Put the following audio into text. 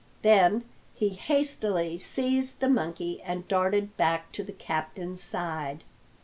Then he hastily seized the monkey and darted back to the captains side.